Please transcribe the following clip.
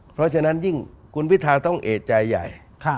เพราะฉะนั้นยิ่งคุณพิทาต้องเอกใจใหญ่